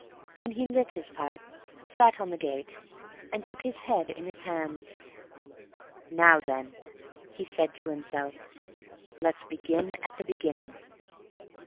Then he lit his pipe, sat on the gate, and took his head in his hands. "Now then," he said to himself, "let's begin at the beginning."